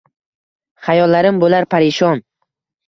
Xayollarim bo’lar parishon